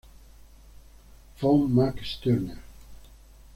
Von Max Stirner.